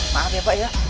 maaf ya pak